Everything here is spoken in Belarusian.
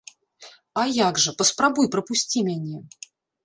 А як жа, паспрабуй прапусці мяне!